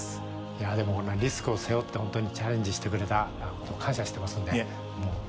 いやでもリスクを背負ってほんとにチャレンジしてくれたこと感謝してますんでもうほんとに。